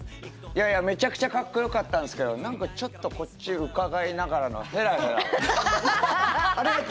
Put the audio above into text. めちゃくちゃかっこよかったんですけど、何かこっち、伺いながらのヘラヘラが。